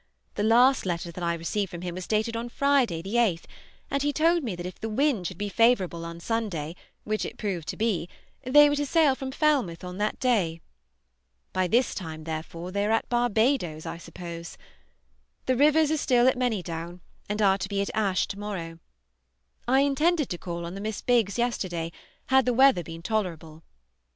The last letter that I received from him was dated on Friday, 8th, and he told me that if the wind should be favorable on Sunday, which it proved to be, they were to sail from Falmouth on that day. By this time, therefore, they are at Barbadoes, I suppose. The Rivers are still at Manydown, and are to be at Ashe to morrow. I intended to call on the Miss Biggs yesterday had the weather been tolerable.